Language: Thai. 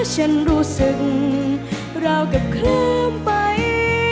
ฉันรู้สึกราวกับคู่ไป